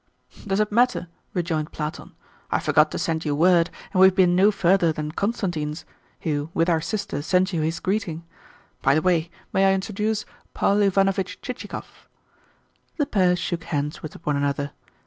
"Does it matter?" rejoined Platon. "I forgot to send you word, and we have been no further than Constantine's (who, with our sister, sends you his greeting). By the way, may I introduce Paul Ivanovitch Chichikov?" The pair shook hands with one another.